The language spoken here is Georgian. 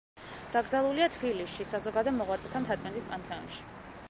დაკრძალულია თბილისში, საზოგადო მოღვაწეთა მთაწმინდის პანთეონში.